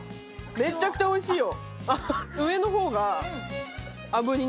めちゃくちゃおいしいよ！